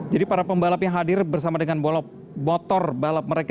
jadi para pembalap yang hadir bersama dengan motor balap mereka